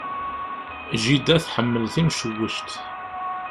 Jida tḥemmel timcewwect.